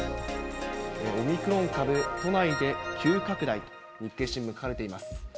オミクロン株、都内で急拡大、日経新聞、書かれています。